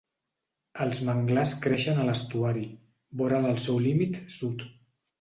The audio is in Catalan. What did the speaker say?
Els manglars creixen a l'estuari, vora del seu límit sud.